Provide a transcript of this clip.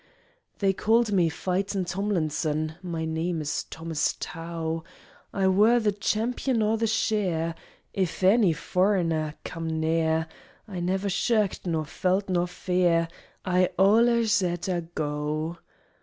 They called me 'Fightin' Tomlinson,' (My name is Thomas Tow) I wor the champion o' the sheer; If any furriner come near, I never shirked nor felt noa fear, I allers 'ed a go.